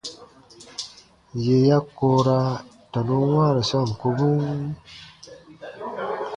Yè ya koora tɔnun wãaru sɔɔn kobun.